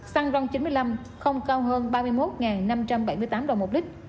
xăng ron chín mươi năm không cao hơn ba mươi một năm trăm bảy mươi tám đồng một lít